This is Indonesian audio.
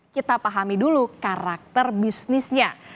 kita pahami dulu karakter bisnisnya